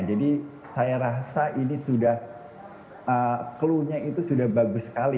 jadi saya rasa ini sudah cluenya itu sudah bagus sekali